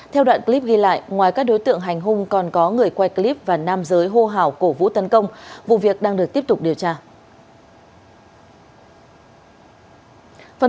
theo đoạn clip ghi lại ngoài các đối tượng hành hung còn có người quay clip và nam giới hô hào cổ vũ tấn công vụ việc đang được tiếp tục điều tra